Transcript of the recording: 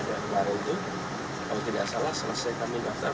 kemarin itu kalau tidak salah selesai kami daftar